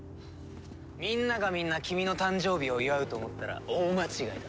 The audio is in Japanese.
みんながみんな君の誕生日を祝うと思ったら大間違いだ。